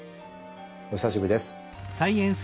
お久しぶりです。